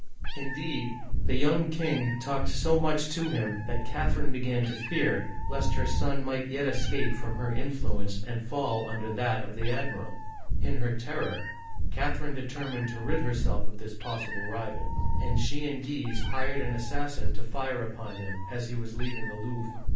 Indeed, the young king talked so much to him that Cath erine began to fear lest her son might yet escape from her influence and fall under that of the admiral. In her terror, Catherine determined to rid her self of this possible rival, and she and Guise hired an assassin to fire upon him as he was leaving the Louvre.